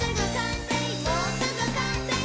「もうすぐかんせい！